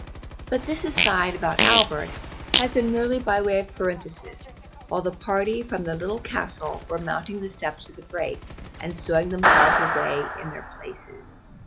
But this aside about Albert has been merely by way of parenthesis while the party from the Little Castle are mounting the steps to the break, and stowing themselves away in their places.